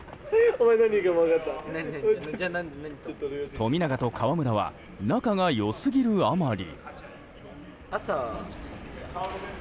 富永と河村は仲が良すぎるあまり。